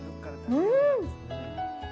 うん！